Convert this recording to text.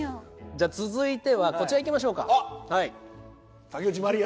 じゃあ続いてはこちらいきましょうか。